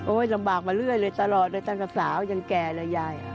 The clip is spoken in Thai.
ลำบากมาเรื่อยเลยตลอดเลยตั้งแต่สาวยังแก่เลยยาย